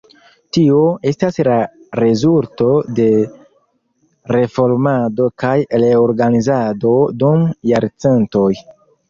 Tio estas la rezulto de reformado kaj reorganizado dum jarcentoj.